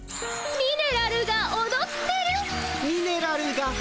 ミネラルがおどってる。